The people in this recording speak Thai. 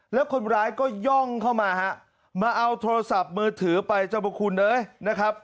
แล้วคนร้ายก็ย่องเข้ามาฮะมาเอาโทรศัพท์มือถือไปเจ้าบ่าคุณเอ้ยนะครับ